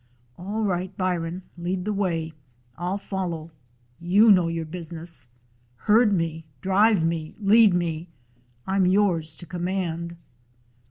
"All right, Byron, lead the way. I'll fol low. You know your business. Herd me, drive me, lead me ; I 'm yours to command."